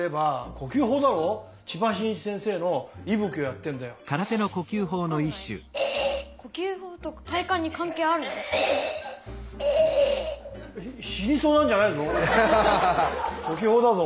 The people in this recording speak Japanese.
呼吸法だぞ。